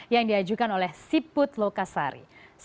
yang diajukan oleh siput lokasari